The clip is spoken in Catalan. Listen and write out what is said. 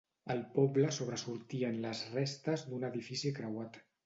Al poble sobresortien les restes d'un edifici creuat.